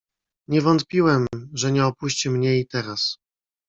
"Nie wątpiłem, że nie opuści mnie i teraz."